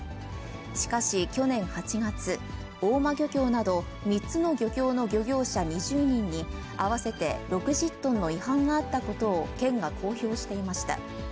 しかし、去年８月、大間漁協など、３つの漁協の事業者２０人に、合わせて６０トンの違反があったことを県が公表していました。